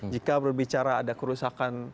jika berbicara ada kerusakan